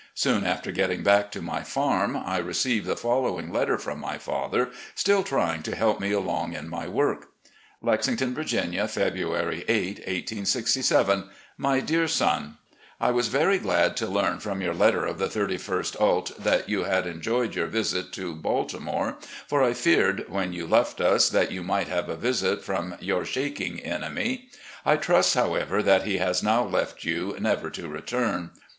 Soon after getting back to my farm, I received the following letter from my father, still trjdng to help me along in my work : "Lexington, Virginia, February 8, 1867. "My Dear Son: I was very glad to learn from your letter of the 31st ult. that you had enjoyed your visit to Baltimore, for I feared when you left us that you might have a visit from your shaking enemy. I trust, however, that he has now left you never to return.